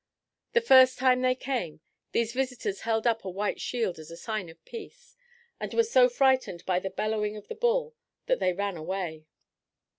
The first time they came, these visitors held up a white shield as a sign of peace, and were so frightened by the bellowing of the bull that they ran away.